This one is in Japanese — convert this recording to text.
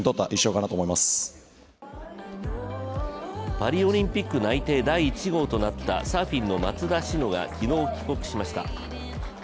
パリオリンピック内定第１号となったサーフィンの松田詩野が昨日、帰国しました。